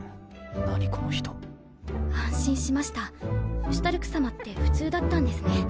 何この人安心しましたシュタルク様って普通だったんですね。